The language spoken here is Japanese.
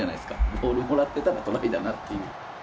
ボールもらってたらトライだなっていう。